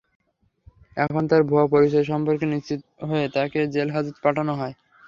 তখন তাঁর ভুয়া পরিচয় সম্পর্কে নিশ্চিত হয়ে তাঁকে জেলহাজতে পাঠানো হয়।